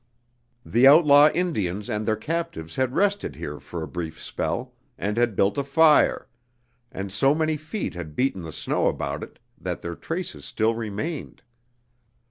The outlaw Indians and their captives had rested here for a brief spell, and had built a fire, and so many feet had beaten the snow about it that their traces still remained.